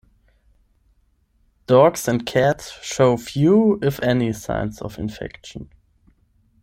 Dogs and cats show few if any signs of infection.